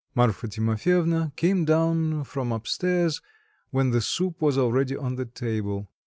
Marfa Timofyevna came down from up stairs, when the soup was already on the table.